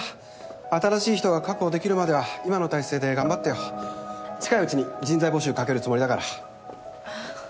新しい人が確保できるまでは今の体制で頑近いうちに人材募集かけるつもりだからはぁ。